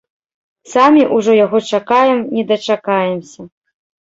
Самі ўжо яго чакаем не дачакаемся.